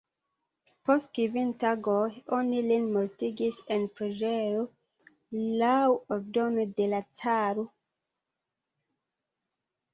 Post kvin tagoj oni lin mortigis en preĝejo, laŭ ordono de la caro.